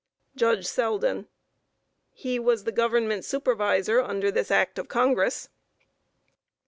JUDGE SELDEN: He was the Government Supervisor under this act of Congress.